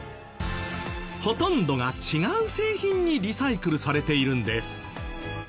ほとんどが違う製品にリサイクルされているんです。